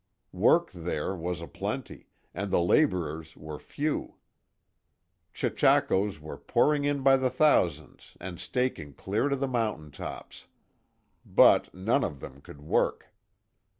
Work there was a plenty, and the laborers were few. Chechakos were pouring in by the thousands and staking clear to the mountain tops. But, none of them would work.